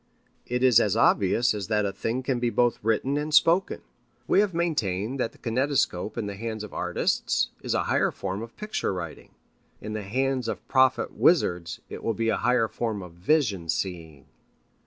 It is as obvious as that a thing can be both written and spoken. We have maintained that the kinetoscope in the hands of artists is a higher form of picture writing. In the hands of prophet wizards it will be a higher form of vision seeing.